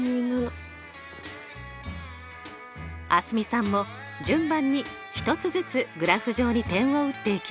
蒼澄さんも順番に１つずつグラフ上に点を打っていきました。